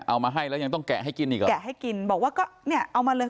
เอามาให้แล้วยังต้องแกะให้กินอีกเหรอแกะให้กินบอกว่าก็เนี่ยเอามาเลย